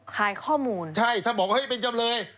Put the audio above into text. ขายข้อมูลใช่ถ้าบอกว่าเฮ้ยเป็นจำเลย